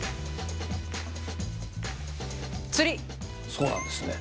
そうなんですね。